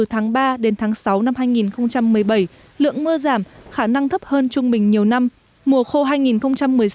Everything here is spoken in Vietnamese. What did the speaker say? tháng ba đến tháng sáu năm hai nghìn một mươi bảy lượng mưa giảm khả năng thấp hơn trung bình nhiều năm mùa khô hai nghìn một mươi sáu hai nghìn một mươi bảy